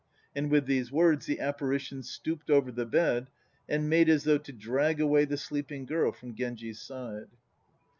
And with these words the appari tion stooped over the bed, and made as though to drag away the sleeping girl from Genji's side."